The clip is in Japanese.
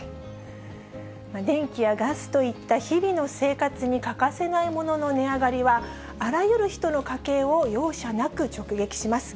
電気やガスといった日々の生活に欠かせないものの値上がりは、あらゆる人の家計を容赦なく直撃します。